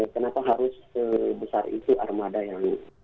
kenapa harus sebesar itu armada yang